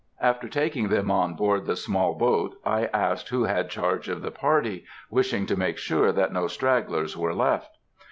After taking them on board the small boat, I asked who had charge of the party, wishing to make sure that no stragglers were left.